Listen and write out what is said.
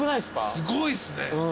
すごいっすね。